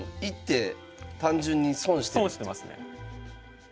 損してますね。